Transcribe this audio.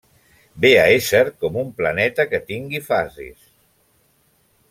Ve a ésser com un planeta que tingui fases…